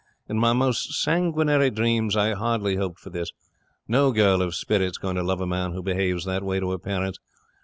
In my most sanguinary dreams I hardly hoped for this. No girl of spirit's going to love a man who behaves that way to her parents.